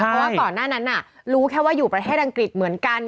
เพราะว่าก่อนหน้านั้นรู้แค่ว่าอยู่ประเทศอังกฤษเหมือนกัน